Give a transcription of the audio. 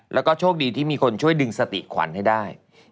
แล้วก็โชคดีที่มีคนช่วยดึงสติขวัญให้ได้